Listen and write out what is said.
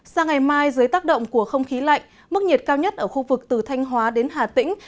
sang ngày mai dưới tác động của không khí lạnh mức nhiệt cao nhất ở khu vực từ thanh hóa đến hà tĩnh